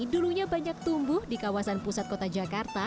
dulunya banyak tumbuh di kawasan pusat kota jakarta